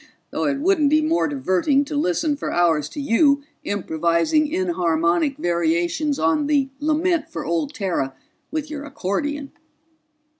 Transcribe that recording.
Though it wouldn't be more diverting to listen for hours to you improvising enharmonic variations on the Lament for Old Terra with your accordion."